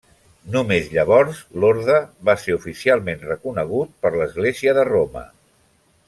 Només llavors, l'orde va ser oficialment reconegut per l'església de Roma.